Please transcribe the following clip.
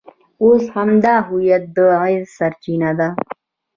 اوس همدا هویت د عزت سرچینه ده.